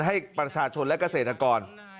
ให้ประชาชนและเกษตรกร